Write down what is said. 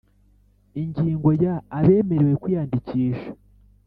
Ingingo ya Abemerewe kwiyandikisha